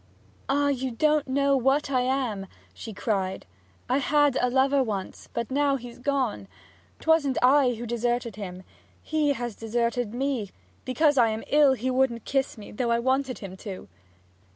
'Ah, you don't know what I am!' she cried. 'I had a lover once; but now he's gone! 'Twasn't I who deserted him. He has deserted me; because I am ill he wouldn't kiss me, though I wanted him to!'